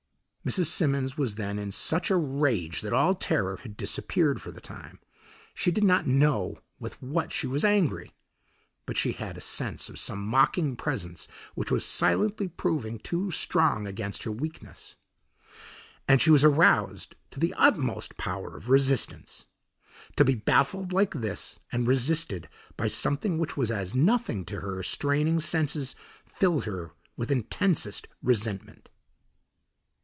Mrs. Simmons was then in such a rage that all terror had disappeared for the time. She did not know with what she was angry, but she had a sense of some mocking presence which was silently proving too strong against her weakness, and she was aroused to the utmost power of resistance. To be baffled like this and resisted by something which was as nothing to her straining senses filled her with intensest resentment.